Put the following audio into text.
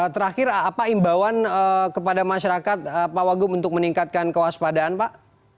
terakhir apa imbauan kepada masyarakat pak wagub untuk meningkatkan kewaspadaan pak